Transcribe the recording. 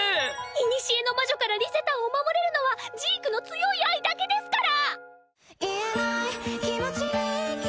古の魔女からリゼたんを守れるのはジークの強い愛だけですから！